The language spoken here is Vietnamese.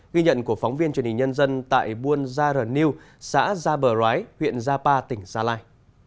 ghi nhận của phóng viên truyền hình nhân dân tại buoniarinu xã gia bờ rái huyện gia pa tỉnh gia lai